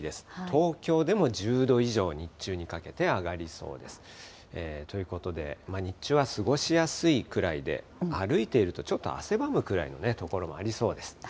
東京でも１０度以上、日中にかけて上がりそうです。ということで、日中は過ごしやすいくらいで、歩いているとちょっと汗ばむくらいの所もありそうです。